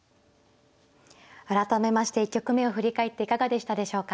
改めまして１局目を振り返っていかがでしたでしょうか。